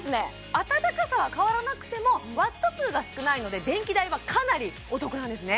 あたたかさは変わらなくてもワット数が少ないので電気代はかなりお得なんですね